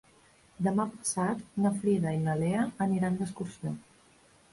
Demà passat na Frida i na Lea aniran d'excursió.